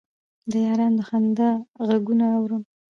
د یارانو د خندا غـږونه اورم